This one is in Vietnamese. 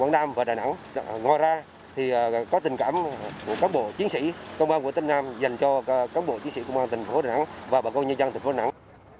công an thành phố đà nẵng và thành phố đà nẵng ngòi ra thì có tình cảm của các bộ chiến sĩ công an của thành phố đà nẵng dành cho các bộ chiến sĩ công an thành phố đà nẵng và bà con nhân dân thành phố đà nẵng